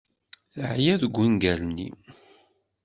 Teɛya deg ungal-nni.